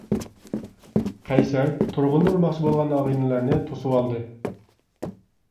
قەيسەر تۇرغۇننى ئۇرماقچى بولغان ئاغىنىلەرنى توسۇۋالدى.